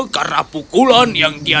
karena pukulan yang dibuat